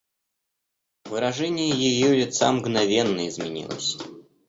Выражение ее лица мгновенно изменилось.